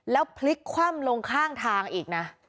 แล้วพลิกคว่ำลงข้างทางอีกนะ